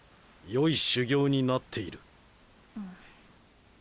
良い修行になっている。